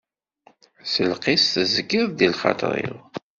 S lqis tezgiḍ-d i lxaṭer-iw.